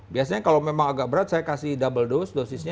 biasanya kalau memang agak berat saya kasih double dose dosisnya